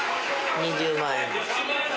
２０万円。